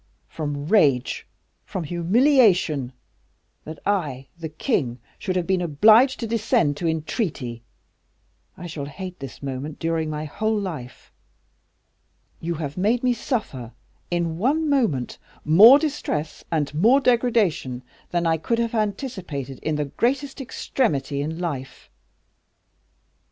"From rage, from humiliation. That I, the king, should have been obliged to descend to entreaty. I shall hate this moment during my whole life. You have made me suffer in one moment more distress and more degradation than I could have anticipated in the greatest extremity in life."